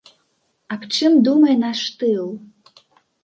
Аб чым думае наш тыл?